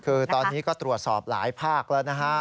คือตอนนี้ก็ตรวจสอบหลายภาคแล้วนะฮะ